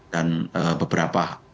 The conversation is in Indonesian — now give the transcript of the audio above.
dan beberapa kebetulan